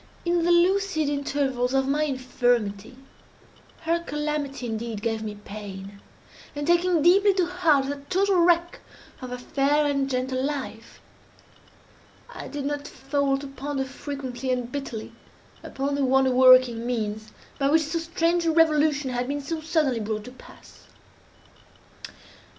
In the lucid intervals of my infirmity, her calamity, indeed, gave me pain, and, taking deeply to heart that total wreck of her fair and gentle life, I did not fail to ponder, frequently and bitterly, upon the wonder working means by which so strange a revolution had been so suddenly brought to pass.